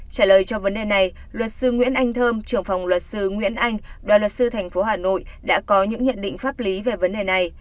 trả lời cho vấn đề này luật sư nguyễn anh thơm trưởng phòng luật sư nguyễn anh đoàn luật sư tp hà nội đã có những nhận định pháp lý về vấn đề này